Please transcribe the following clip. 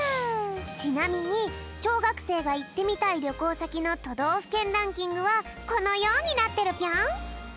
ちなみにしょうがくせいがいってみたいりょこうさきのとどうふけんランキングはこのようになってるぴょん。